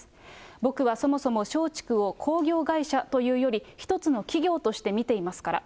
僕はそもそも松竹を興行会社というより、一つの企業として見ていますから。